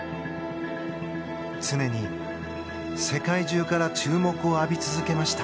常に、世界中から注目を浴び続けました。